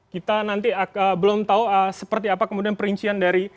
kita nanti belum tahu seperti apa kemudian perincian dari